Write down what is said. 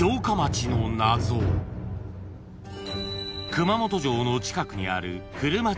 ［熊本城の近くにある］